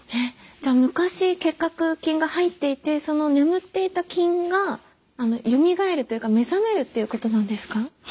じゃあ昔結核菌が入っていてその眠っていた菌がよみがえるというか目覚めるっていうことなんですか？